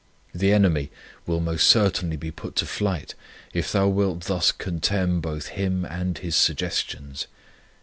The enemy will most certainly be put to flight if thou wilt thus con temn both him and his sugges tions.